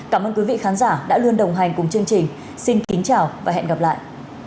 cảm ơn quý vị khán giả đã luôn đồng hành cùng chương trình xin kính chào và hẹn gặp lại